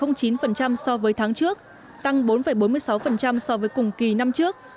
giảm chín so với tháng trước tăng bốn bốn mươi sáu so với cùng kỳ năm trước